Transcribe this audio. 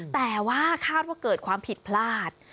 แต่ว่าคาดว่าเกิดความผิดพลาด